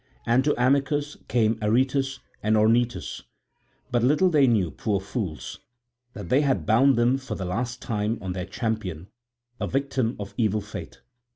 And to Amycus came Aretus and Ornytus, but little they knew, poor fools, that they had bound them for the last time on their champion, a victim of evil fate.